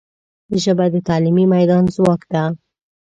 ژبه د تعلیمي میدان ځواک ده